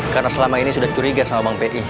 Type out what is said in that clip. karena selama ini sudah curiga sama bang pi